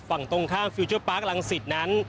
ฝั่งตรงข้ามฟิลเจอร์ปาร์คลังศิษย์นั้น